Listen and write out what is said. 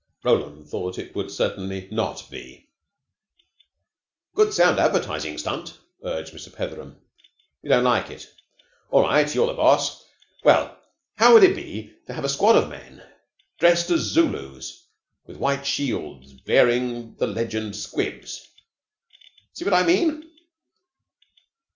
Roland thought it would certainly not be. "Good sound advertising stunt," urged Mr. Petheram. "You don't like it? All right. You're the boss. Well, how would it be to have a squad of men dressed as Zulus with white shields bearing the legend 'Squibs?' See what I mean?